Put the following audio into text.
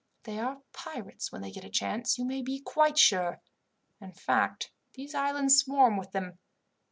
They are pirates when they get a chance, you may be quite sure. In fact, these islands swarm with them.